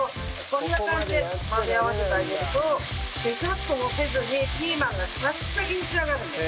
こんな感じで混ぜ合わせてあげるとベチャッともせずにピーマンがシャキシャキに仕上がるんです。